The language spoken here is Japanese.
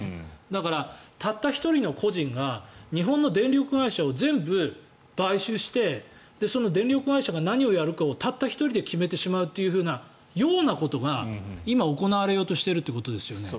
だから、たった１人の個人が日本の電力会社を全部買収してその電力会社が何をやるかをたった一人で決めてしまうようなことが今、行われようとしているということですよね。